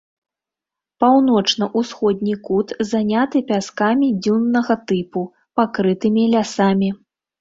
Паўночна-ўсходні кут заняты пяскамі дзюннага тыпу, пакрытымі лясамі.